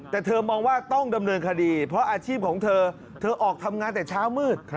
แต่เธอมองว่าต้องดำเนินคดีเพราะอาชีพของเธอเธอออกทำงานแต่เช้ามืด